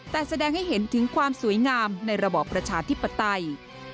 แต่แสดงให้เห็นถึงความสวยงามในระบอบประชาธิปไตย